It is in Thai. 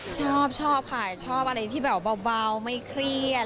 ชอบชอบค่ะชอบอะไรที่แบบเบาไม่เครียด